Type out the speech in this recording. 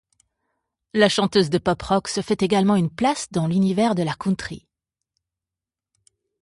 La chanteuse de pop-rock se fait également une place dans l'univers de la country.